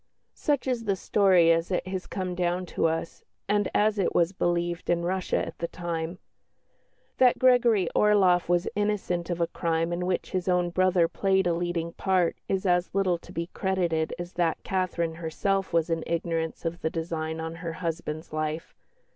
Such is the story as it has come down to us, and as it was believed in Russia at the time. That Gregory Orloff was innocent of a crime in which his own brother played a leading part is as little to be credited as that Catherine herself was in ignorance of the design on her husband's life.